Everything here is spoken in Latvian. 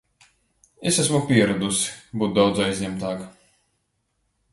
Es esmu pieradusi būt daudz aizņemtāka.